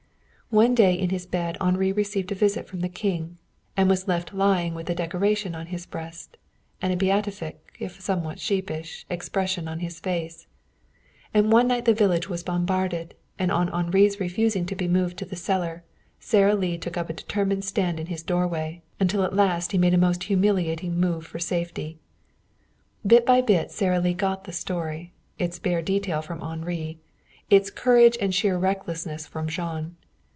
One day in his bed Henri received a visit from the King, and was left lying with a decoration on his breast and a beatific, if somewhat sheepish, expression on his face. And one night the village was bombarded, and on Henri's refusing to be moved to the cellar Sara Lee took up a determined stand in his doorway, until at last he made a most humiliating move for safety. Bit by bit Sara Lee got the story, its bare detail from Henri, its courage and sheer recklessness from Jean.